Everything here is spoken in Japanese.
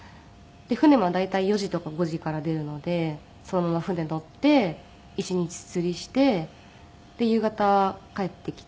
船も大体４時とか５時から出るのでそのまま船乗って一日釣りして夕方帰ってきて。